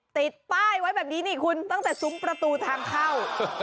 ติดป้ายไว้แบบนี้นี่คุณตั้งแต่ซุ้มประตูทางเข้า